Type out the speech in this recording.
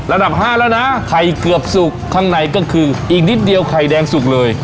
ระดับ๕แล้วนะไข่เกือบสุกข้างในก็คืออีกนิดเดียวไข่แดงสุกเลย